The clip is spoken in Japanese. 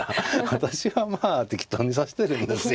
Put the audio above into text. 私はまあ適当に指してるんですよ。